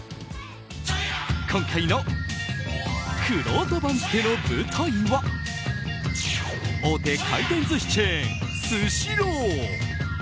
今回のくろうと番付の舞台は大手回転寿司チェーン、スシロー。